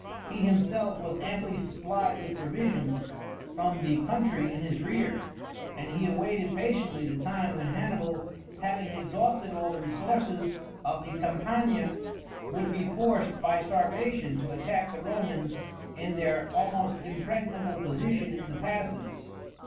He himself was amply supplied with provisions from the country in his rear, and he awaited patiently the time when Hannibal, having exhausted all the resources of the Campania, would be forced by starvation to attack the Romans in their almost impregnable position in the passes.